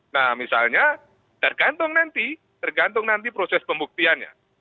nah misalnya tergantung nanti proses pembuktiannya